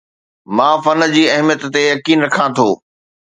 مان فن جي اهميت تي يقين رکان ٿو